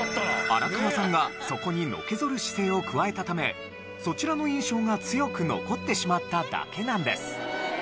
荒川さんがそこにのけぞる姿勢を加えたためそちらの印象が強く残ってしまっただけなんです。